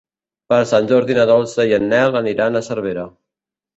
Per Sant Jordi na Dolça i en Nel aniran a Cervera.